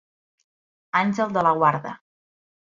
Àngel de la guarda.